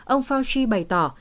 ông fauci bày tỏ